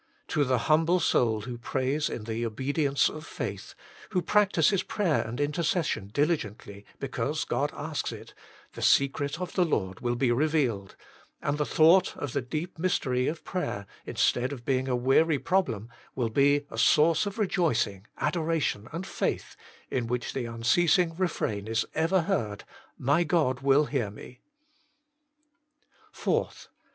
To the humble soul who prays in the obedience of faith, who practises prayer and intercession diligently, because God asks it, the secret of the Lord will be revealed, and the thought of the deep mystery of prayer, instead of being a weary problem, will be a source of rejoicing, adora tion, and faith, in which the unceasing refrain is ever heard :" My God will hear me I " 4.